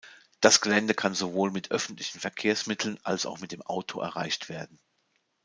Das Gelände kann sowohl mit öffentlichen Verkehrsmitteln als auch mit dem Auto erreicht werden.